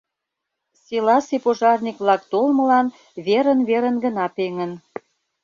Селасе пожарник-влак толмылан верын-верын гына пеҥын.